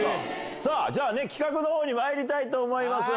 さあ、じゃあね、企画のほうにまいりたいと思います。